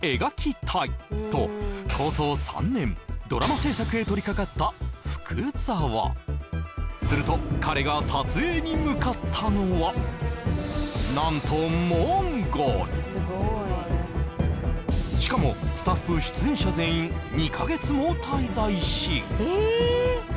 ３年ドラマ制作へ取りかかった福澤すると彼が撮影に向かったのは何としかもスタッフ出演者全員２か月も滞在しえーっ